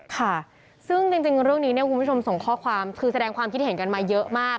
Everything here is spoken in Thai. ค่ะซึ่งจริงเรื่องนี้เนี่ยคุณผู้ชมส่งข้อความคือแสดงความคิดเห็นกันมาเยอะมาก